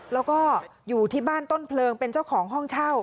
แล้วก็อยู่ที่บ้านต้นเพลิงเป็นเจ้าของห้องเช่า